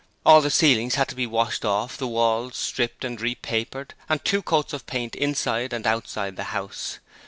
All the ceilings had to be washed off, the walls stripped and repapered, and two coats of paint inside and outside the house.